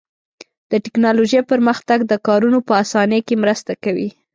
د تکنالوژۍ پرمختګ د کارونو په آسانۍ کې مرسته کوي.